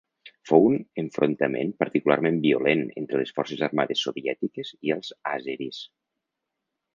Fou un enfrontament particularment violent entre les forces armades soviètiques i els àzeris.